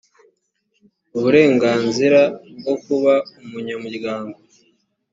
uburenganzira bwo kuba umunyamuryango